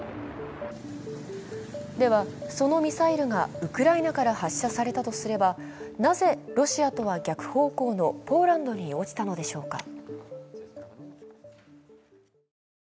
では、そのミサイルがウクライナから発射されたとすれば、なぜロシアとは逆方向のポーランドに落ちたのでしょうか。